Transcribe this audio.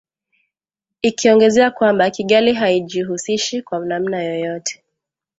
ikiongezea kwamba Kigali haijihusishi kwa namna yoyote